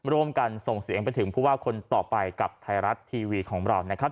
ร่วมกันส่งเสียงไปถึงผู้ว่าคนต่อไปกับไทยรัฐทีวีของเรานะครับ